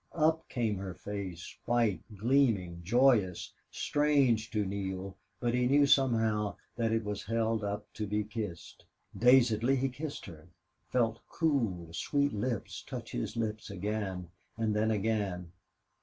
Up came her face, white, gleaming, joyous, strange to Neale, but he knew somehow that it was held up to be kissed. Dazedly he kissed her felt cool sweet lips touch his lips again and then again.